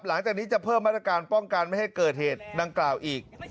หลังจากนี้จะเพิ่มมาตรการป้องกันไม่ให้เกิดเหตุดังกล่าวอีก